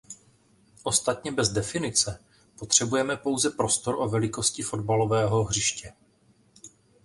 Ostatně bez definice potřebujeme pouze prostor o velikosti fotbalového hřiště.